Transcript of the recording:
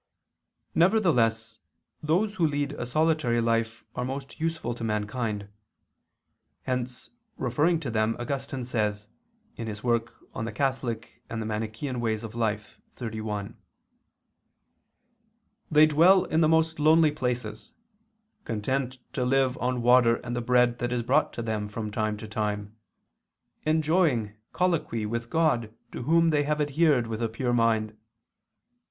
Nevertheless, those who lead a solitary life are most useful to mankind. Hence, referring to them, Augustine says (De Morib. Eccl. xxxi): "They dwell in the most lonely places, content to live on water and the bread that is brought to them from time to time, enjoying colloquy with God to whom they have adhered with a pure mind.